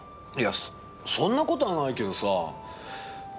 いやそんな事はないけどさ。